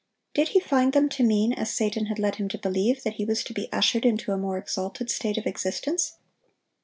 Did he find them to mean, as Satan had led him to believe, that he was to be ushered into a more exalted state of existence?